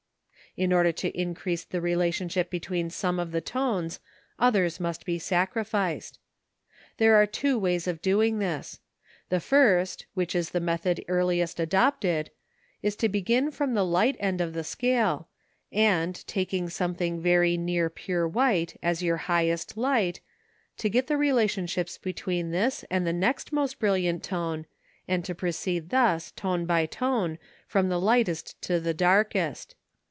In order to increase the relationship between some of the tones others must be sacrificed. There are two ways of doing this. The first, which was the method earliest adopted, is to begin from the light end of the scale, and, taking something very near pure white as your highest light, to get the relationships between this and the next most brilliant tone, and to proceed thus, tone by tone, from the lightest to the darkest.